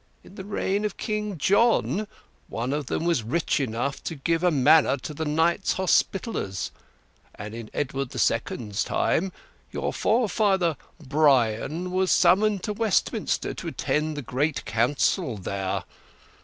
In the reign of King John one of them was rich enough to give a manor to the Knights Hospitallers; and in Edward the Second's time your forefather Brian was summoned to Westminster to attend the great Council there.